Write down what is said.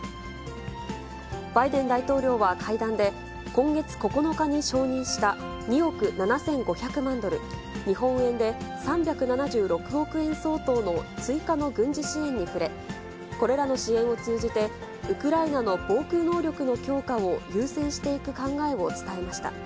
バイデン大統領は会談で、今月９日に承認した２億７５００万ドル、日本円で３７６億円相当の追加の軍事支援に触れ、これらの支援を通じて、ウクライナの防空能力の強化を優先していく考えを伝えました。